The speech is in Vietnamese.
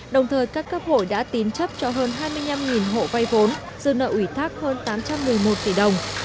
đồng thời các cấp hội đã tín chấp cho hơn hai mươi năm hộ vay vốn dư nợ ủy thác hơn tám trăm một mươi một tỷ đồng